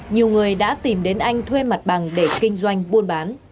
nhiều người đã tìm đến anh thuê mặt bằng để kinh doanh buôn bán